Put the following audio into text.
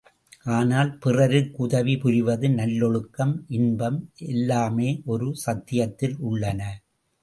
ஆனால், பிறருக்கு உதவி, புரிவது நல்லொழுக்கம், இன்பம் எல்லாமே ஒரு சத்தியத்தில் உள்ளன.